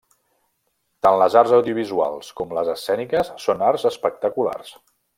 Tant les arts audiovisuals com les escèniques són arts espectaculars.